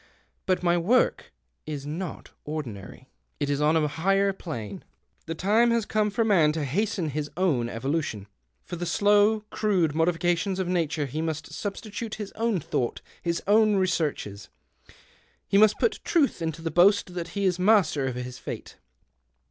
But my work is not ordinary ; it is on a higher plane. The time has come for man to hasten his own evolution. For the slow, crude modifications of Nature he must sub stitute his own thought, his own researches. He must put truth into that boast that he is master of his fate."